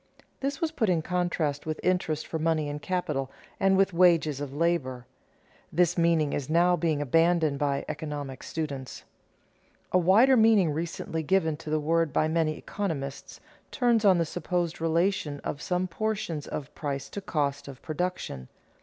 This was put in contrast with interest for money and capital, and with wages of labor. This meaning is now being abandoned by economic students. A wider meaning recently given to the word by many economists turns on the supposed relation of some portions of price to cost of production.